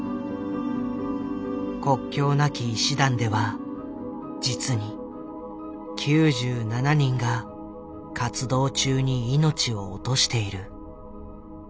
国境なき医師団では実に９７人が活動中に命を落としている。